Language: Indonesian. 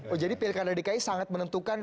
oh jadi pilkada dki sangat menentukan